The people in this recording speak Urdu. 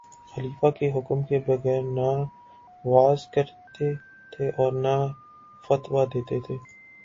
خلیفہ کے حکم کے بغیر نہ وعظ کہتے تھے اور نہ فتویٰ دیتے تھے